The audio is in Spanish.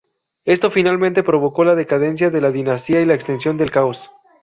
Esto finalmente provocó la decadencia de la dinastía y la extensión del caos.